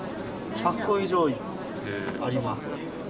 １００個以上あります。